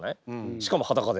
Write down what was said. しかも裸で。